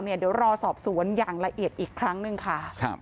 เดี๋ยวรอสอบสวนอย่างละเอียดอีกครั้งหนึ่งค่ะ